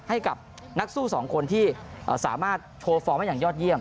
ให้กับนักสู้สองคนที่สามารถโชว์ฟอร์มได้อย่างยอดเยี่ยม